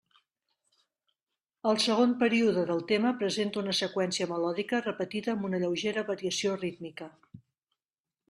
El segon període del tema presenta una seqüència melòdica repetida amb una lleugera variació rítmica.